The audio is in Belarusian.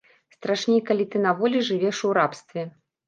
Страшней, калі ты на волі жывеш у рабстве.